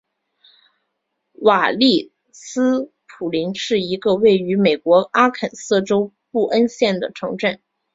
瓦利斯普林斯是一个位于美国阿肯色州布恩县的城镇。